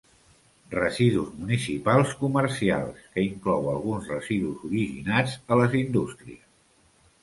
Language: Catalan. Residus municipals comercials, que inclou alguns residus originats a les indústries.